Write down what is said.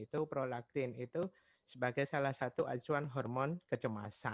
tersebut sebagai salah satu asuhan hormon kecemasan